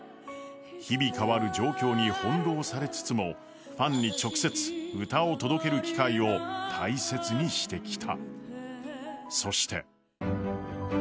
日々変わる状況に翻弄されつつもファンに直接歌を届ける機会を大切にしてきた。